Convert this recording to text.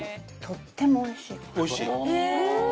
とってもおいしい。